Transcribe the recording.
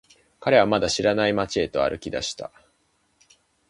彼はまだ知らない街へと歩き出した。